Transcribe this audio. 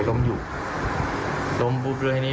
ล้มอยู่ล้มปลู๊บแบบนี้